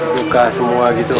luka semua gitu